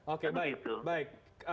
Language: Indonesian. oke baik baik